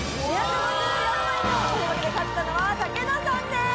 というわけで勝ったのは武田さんです